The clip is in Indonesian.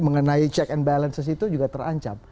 mengenai check and balances itu juga terancam